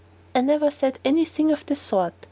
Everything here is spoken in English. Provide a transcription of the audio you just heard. "I never said any thing of the sort.